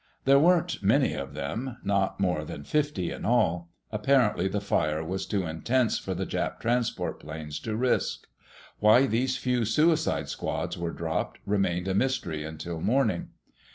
There weren't many of them—not more than fifty in all. Apparently the fire was too intense for the Jap transport planes to risk. Why these few suicide squads were dropped remained a mystery until morning.